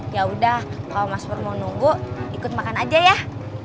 ya udah kalau mas pur mau nunggu ikut makan aja ya